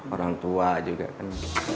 orang tua juga kan